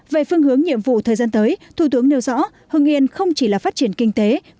về phương hướng nhiệm vụ thời gian tới thủ tướng nêu rõ hưng yên không chỉ là phát triển kinh tế